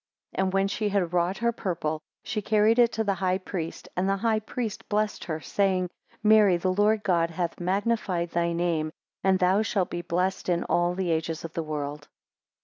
18 And when she had wrought her purple, she carried it to the high priest, and the high priest blessed her, saying, Mary, the Lord God hath magnified thy name, and thou shalt be blessed in all the ages of the world.